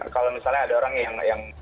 kalau misalnya ada orang yang